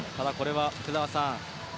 福澤さん